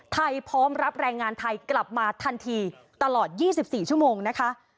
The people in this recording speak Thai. พร้อมรับแรงงานไทยกลับมาทันทีตลอด๒๔ชั่วโมงนะคะ